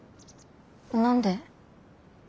何で？